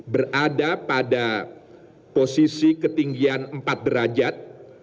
berada pada posisi ketinggian empat derajat